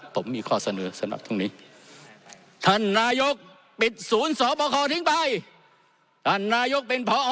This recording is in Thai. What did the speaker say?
ผมมีข้อเสนอสำหรับท่านที่นี้ท่านนายก